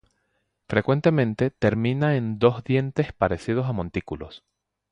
Frecuentemente termina en dos dientes parecidos a montículos.